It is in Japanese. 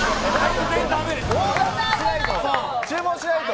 オーダーしないと。